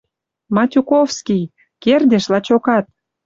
Матюковский!.. Кердеш лачокат.